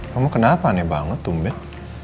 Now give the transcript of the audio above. kamu kenapa aneh banget tumit